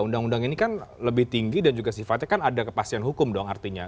undang undang ini kan lebih tinggi dan juga sifatnya kan ada kepastian hukum dong artinya